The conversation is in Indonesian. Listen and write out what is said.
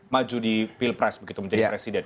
maju di pilpres begitu menjadi presiden